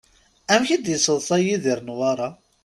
Amek i d-yesseḍṣay Yidir Newwara?